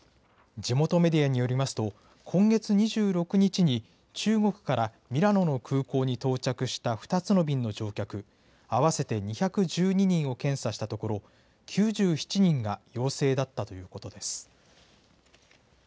地元メディアによりますと、今月２６日に中国からミラノの空港に到着した２つの便の乗客合わせて２１２人を検査したところ、９７人が陽性だったということです。